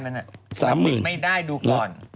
มันไม่ได้ดูก่อน